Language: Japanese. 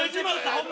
ホンマ